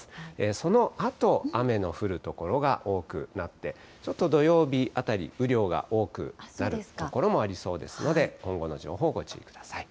そのあと、雨の降る所が多くなって、ちょっと土曜日あたり、雨量が多くなる所もありそうですので、今後の情報ご注意ください。